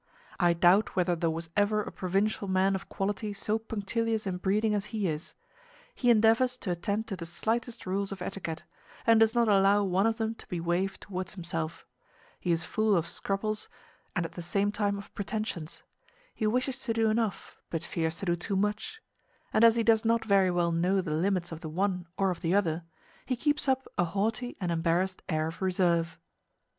I doubt whether there was ever a provincial man of quality so punctilious in breeding as he is: he endeavors to attend to the slightest rules of etiquette, and does not allow one of them to be waived towards himself: he is full of scruples and at the same time of pretensions; he wishes to do enough, but fears to do too much; and as he does not very well know the limits of the one or of the other, he keeps up a haughty and embarrassed air of reserve.